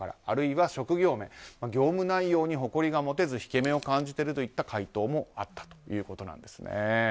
あるいは職業面業務内容に誇りが持てず引け目を感じているといった回答もあったということなんです。